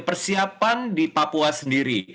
persiapan di papua sendiri